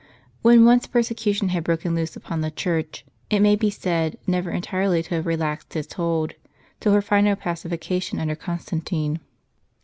When once persecution had broken loose upon the Church, it may be said never entirely to have relaxed its hold, till her final pacification under Constantino.